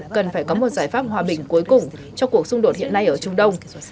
ông blinken cũng gợi ý việc cần phải có một giải pháp hòa bình cuối cùng cho cuộc xung đột hiện nay ở trung đông